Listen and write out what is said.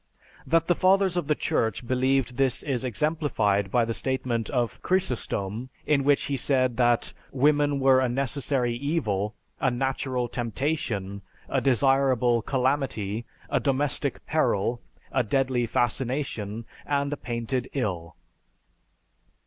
That the Fathers of the Church believed this is exemplified by the statement of Chrysostom in which he said that women were a 'necessary evil, a natural temptation, a desirable calamity, a domestic peril, a deadly fascination, and a painted ill.'"